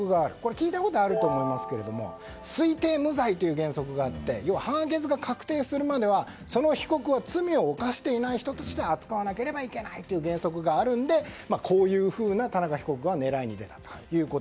聞いたことあると思いますけど推定無罪という原則があって判決が確定するまではその被告は罪を犯していない人として扱わなければいけないという原則があるのでこういうふうな田中被告は狙いに出たということ。